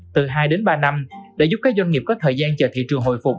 từ hai đến ba năm để giúp các doanh nghiệp có thời gian chờ thị trường hồi phục